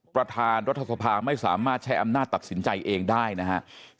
ประธานรัฐสภาไม่สามารถใช้อำนาจตัดสินใจเองได้นะครับ